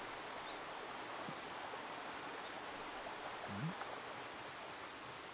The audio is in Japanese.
うん？